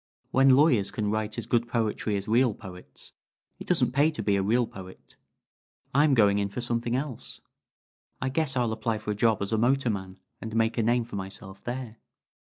When lawyers can write as good poetry as real poets, it doesn't pay to be a real poet. I'm going in for something else. I guess I'll apply for a job as a motorman, and make a name for myself there."